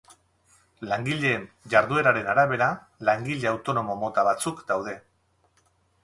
Langileen jardueraren arabera, langile autonomo mota batzuk daude.